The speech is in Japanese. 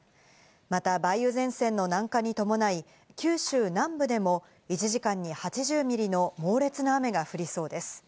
また梅雨前線の南下に伴い、九州南部でも１時間に８０ミリの猛烈な雨が降りそうです。